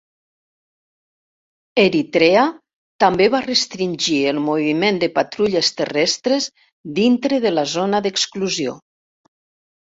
Eritrea també va restringir el moviment de patrulles terrestres dintre de la zona d'exclusió.